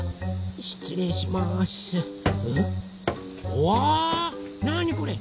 うわなにこれ。